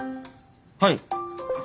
はい。